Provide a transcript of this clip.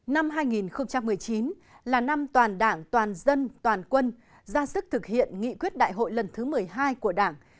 năm hai nghìn một mươi chín là năm toàn đảng toàn dân toàn quân ra sức thực hiện nghị quyết đại hội lần thứ một mươi hai của đảng